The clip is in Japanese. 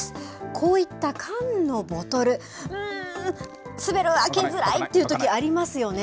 こういった缶のボトル、うーん、滑る、開きづらいというときありますよね。